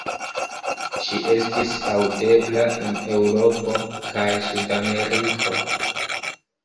Ŝi estis aŭdebla en Eŭropo kaj Sud-Ameriko.